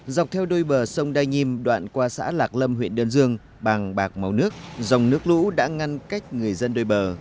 dọc theo đôi bờ sông đa nhiêm đoạn qua xã lạc lâm huyện đơn dương bằng bạc màu nước dòng nước lũ đã ngăn cách người dân đôi bờ